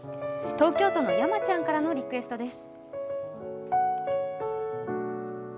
東京都のやまちゃんからのリクエストです。